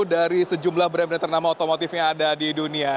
dari sejumlah brand brand ternama otomotif yang ada di dunia